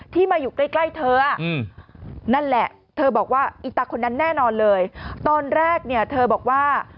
มาอยู่ใกล้ใกล้เธอนั่นแหละเธอบอกว่าอีตาคนนั้นแน่นอนเลยตอนแรกเนี่ยเธอบอกว่า